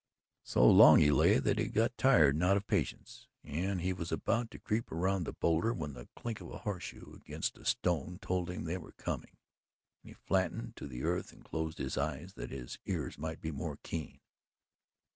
So long he lay that he got tired and out of patience, and he was about to creep around the boulder, when the clink of a horseshoe against a stone told him they were coming, and he flattened to the earth and closed his eyes that his ears might be more keen.